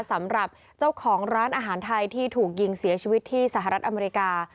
สำหรับเจ้าของร้านอาหารไทยที่ถูกยิงเสียชีวิตที่สหรัฐอเมริกา